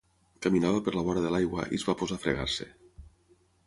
Caminava per la vora de l'aigua i es va posar a fregar-se.